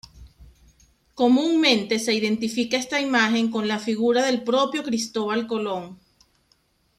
Comúnmente se identifica esta imagen con la figura del propio Cristóbal Colón.